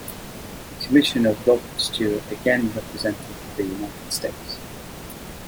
Commissioner Robert Stuart again represented the United States.